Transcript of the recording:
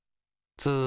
ツー。